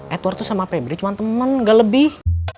edward tuh sama pebri cuma temen gak lebih